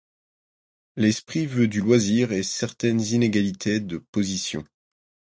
L’esprit veut du loisir et certaines inégalités de position.